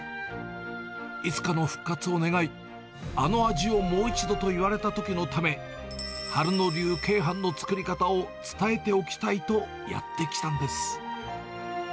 いつかの復活を願い、あの味をもう一度と言われたときのため、春野流鶏飯の作り方を伝えておきたいとやって来たんです。